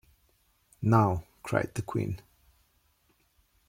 ‘Now!’ cried the Queen.